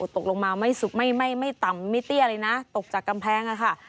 ตกลงมาไม่ต่ำไม่เตี้ยเลยนะตกจากกำแพงค่ะ